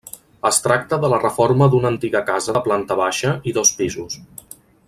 Es tracta de la reforma d'una antiga casa de planta baixa i dos pisos.